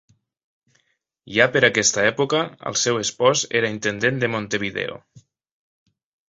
Ja per aquesta època el seu espòs era intendent de Montevideo.